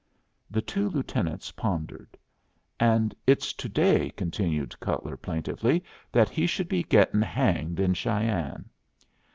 The two lieutenants pondered. "And it's to day," continued Cutler, plaintively, "that he should be gettin' hanged in Cheyenne."